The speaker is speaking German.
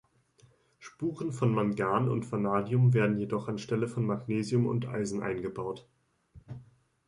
Spuren von Mangan und Vanadium werden jedoch anstelle von Magnesium und Eisen eingebaut.